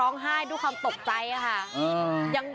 โอ้โหยรถทนจะเข้าจริง